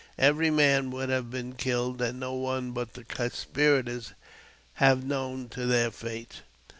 Every man would have been killed, and no one but the conspirators have known their fate.